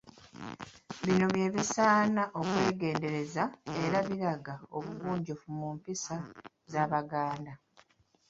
Bino bye bisaana okwegendereza era ebiraga obugunjufu mu mpisa z’Abaganda.